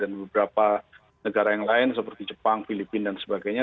dan beberapa negara yang lain seperti jepang filipina dan sebagainya